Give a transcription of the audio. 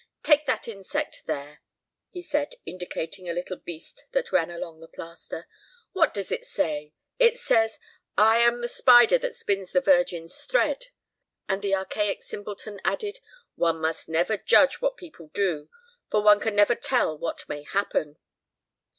"Take that insect there," he said, indicating a little beast that ran along the plaster. "What does it say? It says, 'I am the spider that spins the Virgin's thread.'" And the archaic simpleton added, "One must never judge what people do, for one can never tell what may happen."